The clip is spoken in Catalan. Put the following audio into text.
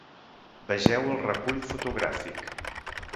Vegeu el recull fotogràfic .